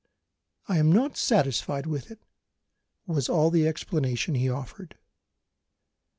"I am not satisfied with it," was all the explanation he offered.